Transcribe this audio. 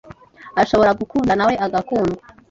ashobora gukunda nawe agakundwa